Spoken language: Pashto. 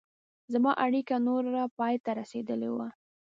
زما اړیکه نوره پای ته رسېدلې وه.